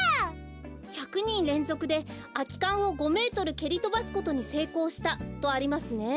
「１００にんれんぞくであきかんを５メートルけりとばすことにせいこうした」とありますね。